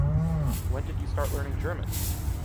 When did you start learning German?